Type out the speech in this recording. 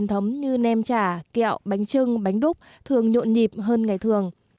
làm nghề nem chả đã từ lâu